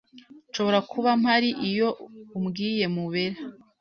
Nshobora kuba mpari iyo ubwiye Mubera?